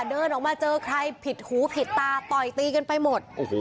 เดินออกมาเจอใครผิดหูผิดตาต่อยตีกันไปหมด